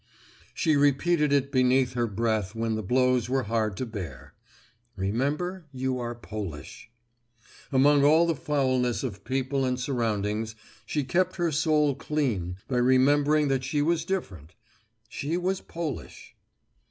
She repeated it beneath her breath when the blows were hard to bear, "Remember, you are Polish." Among all the foulness of people and surroundings, she kept her soul clean by remembering that she was different: she was Polish.